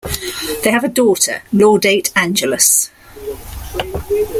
They have a daughter, Laudate Angelus.